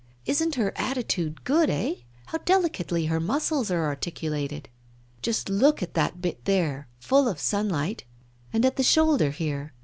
Isn't her attitude good, eh? How delicately her muscles are articulated! Just look at that bit there, full of sunlight. And at the shoulder here.